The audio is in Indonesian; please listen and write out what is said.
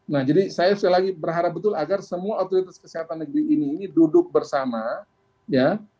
nah jadi saya sekali lagi berharap betul agar semua otoritas kesehatan negeri ini duduk bersama ya